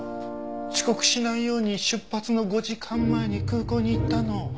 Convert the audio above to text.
遅刻しないように出発の５時間前に空港に行ったの。